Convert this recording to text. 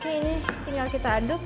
ini tinggal kita aduk